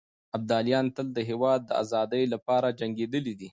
ابداليان تل د هېواد د ازادۍ لپاره جنګېدلي دي.